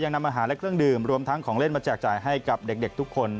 นำอาหารและเครื่องดื่มรวมทั้งของเล่นมาแจกจ่ายให้กับเด็กทุกคน